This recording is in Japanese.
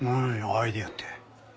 アイデアって。